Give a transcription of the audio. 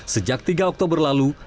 sejak tiga oktober lalu